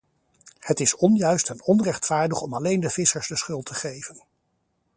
Het is onjuist en onrechtvaardig om alleen de vissers de schuld te geven.